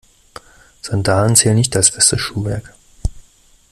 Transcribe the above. Sandalen zählen nicht als festes Schuhwerk.